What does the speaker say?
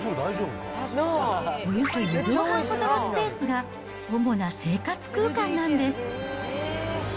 およそ４畳半ほどのスペースが主な生活空間なんです。